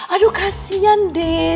aduh kasihan deh